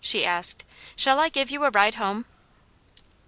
she asked. "Shall I give you a ride home?"